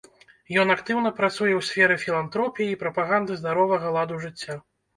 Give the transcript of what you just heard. Ён актыўна працуе ў сферы філантропіі і прапаганды здаровага ладу жыцця.